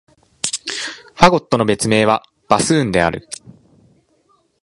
ファゴットの別名は、バスーンである。